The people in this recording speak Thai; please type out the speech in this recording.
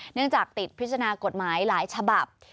เนื่องจากติดพิจารณากฎหมายหลายฉบับ